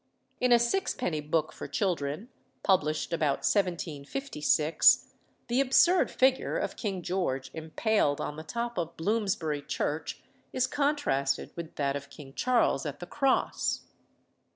In a sixpenny book for children, published about 1756, the absurd figure of King George impaled on the top of Bloomsbury Church is contrasted with that of King Charles at the Cross.